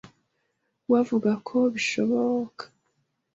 we avuga ko bishoboka